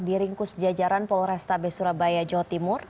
diringkus jajaran polresta b surabaya jawa timur